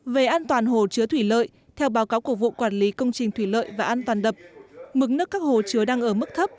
về an toàn hồ chứa thủy lợi theo báo cáo của vụ quản lý công trình thủy lợi và an toàn đập mức nước các hồ chứa đang ở mức thấp